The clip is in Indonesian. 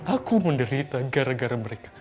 aku menderita gara gara mereka